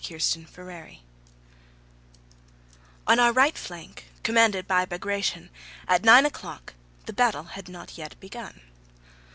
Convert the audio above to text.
CHAPTER XVII On our right flank commanded by Bagratión, at nine o'clock the battle had not yet begun.